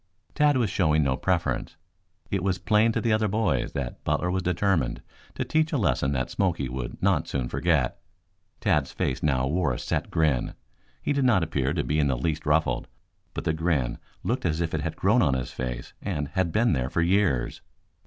Tad was showing no preference. It was plain to the other boys that Butler was determined to teach a lesson that Smoky would not soon forget. Tad's face now wore a set grin. He did not appear to be in the least ruffled, but the grin looked as if it had grown on his face and had been there for years.